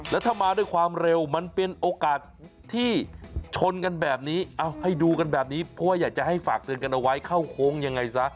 แล้วถ้ามาด้วยความเร็วมันเป็นโอกาสที่ชนกันแบบนี้เอาให้ดูกันแบบนี้เพราะว่าอยากจะให้ฝากเตือนกันเอาไว้เข้าโค้งยังไงซะ